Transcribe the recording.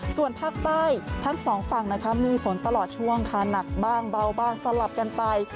ส่วนภาคใต้ทั้งสองฝั่งนะคะมีฝนตลอดช่วงค่ะหนักบ้างเบาบ้างสลับกันไป